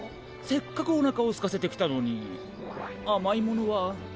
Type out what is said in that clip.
せっかくおなかをすかせてきたのにあまいものは？